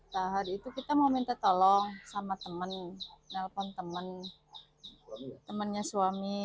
nah hari itu kita mau minta tolong sama temen nelpon temannya suami